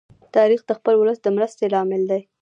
تاریخ د خپل ولس د مرستی لامل دی.